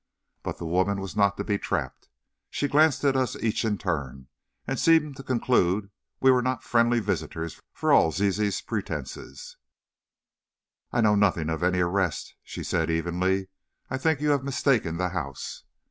But the woman was not to be trapped. She glanced at us each in turn, and seemed to conclude we were not friendly visitors for all Zizi's pretense. "I know nothing of any arrest," she said, evenly; "I think you have mistaken the house."